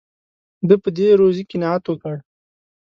ده په دې روزي قناعت وکړ.